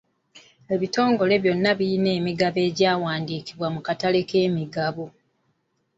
Ebitongole byonna ebirina emigabo egyawandiikibwa mu katale k'emigabo.